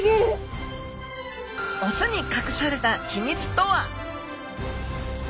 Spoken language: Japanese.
オスにかくされた秘密とは？